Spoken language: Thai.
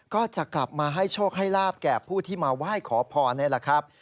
ก็จะกลับมาให้โชคให้ลาบแก่ผู้ที่มาไหว้ขอพรนี่แหละครับ